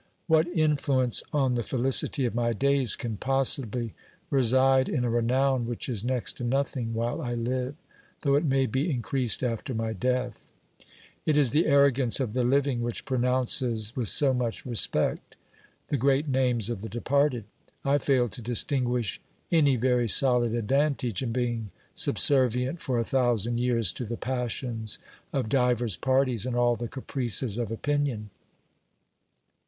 What influence on the felicity of my days can possibly reside in a renown which is next to nothing while 1 live, though it may be increased after my death ? It is the arrogance of the living which pronounces with so much respect the great names of the departed. I fail to distinguish any very solid advantage p 226 OBERMANN in being subservient for a thousand years to the passions of divers parties and all the caprices of opinion.